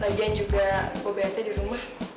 lagian juga obatnya di rumah